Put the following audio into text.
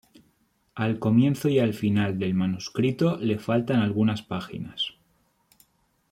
Al comienzo y al final del manuscrito le faltan algunas páginas.